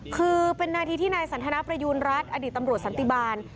คือเป็นนาทีที่นายสันทนาประยูณรัฐอดีตตำรวจสันติบาล